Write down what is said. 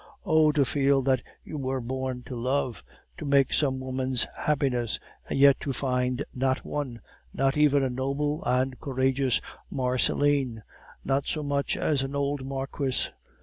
Oh! to feel that you were born to love, to make some woman's happiness, and yet to find not one, not even a noble and courageous Marceline, not so much as an old Marquise!